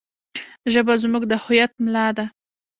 ژبه زموږ د هویت ملا ده.